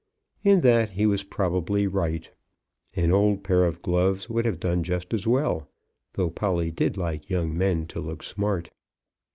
In that he was probably right. An old pair of gloves would have done just as well, though Polly did like young men to look smart.